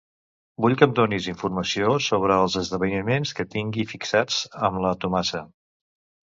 Vull que em donis informació sobre els esdeveniments que tingui fixats amb la Tomasa.